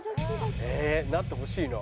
えなってほしいな。